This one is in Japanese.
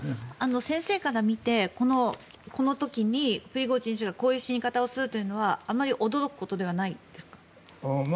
先生から見てこの時にプリゴジン氏がこういう死に方をするというのはあまり驚くことではないですか？